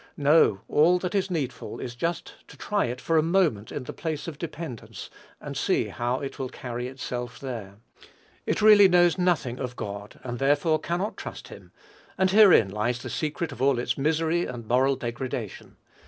No: all that is needful is just to try it for a moment in the place of dependence, and see how it will carry itself there. It really knows nothing of God, and therefore cannot trust him; and herein lies the secret of all its misery and moral degradation.